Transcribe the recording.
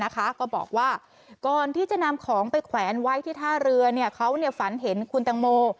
ก็บอกว่าก่อนที่จะนำของไปแขวนไว้ที่ท่าเรือเขาฝันเห็นคุณตังโม